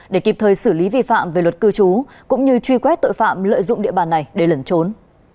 để kịp thời xử lý vi phạm về luật cư trú cũng như truy quét tội phạm lợi dụng địa bàn này để lẩn trốn